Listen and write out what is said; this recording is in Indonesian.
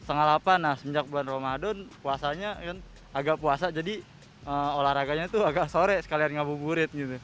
nah semenjak bulan ramadan puasanya kan agak puasa jadi olahraganya itu agak sore sekalian ngabuburit